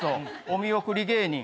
お見送り芸人。